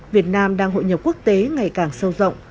việt nam đang hội nhập quốc tế ngày càng sâu rộng